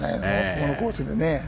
このコースでね。